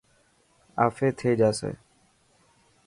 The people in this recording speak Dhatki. آفي ٿي جاسي.